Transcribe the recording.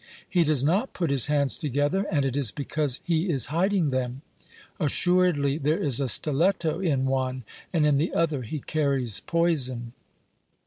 He does not put his hands together, and it is because he is hiding them ; assuredly there is a stiletto in one, and in the other he carries poison.